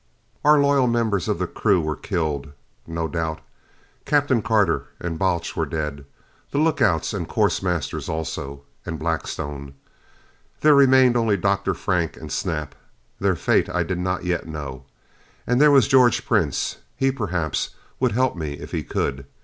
Our loyal members of the crew were killed, no doubt. Captain Carter and Balch were dead. The lookouts and course masters, also. And Blackstone. There remained only Dr. Frank and Snap. Their fate I did not yet know. And there was George Prince. He, perhaps, would help me if he could.